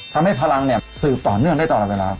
ทำให้พลังสืบต่อเนื่องได้ตลอดเวลา